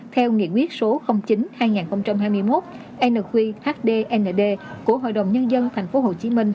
theo nghị quyết số chín hai nghìn hai mươi một nqhdnd của hội đồng nhân dân tp hcm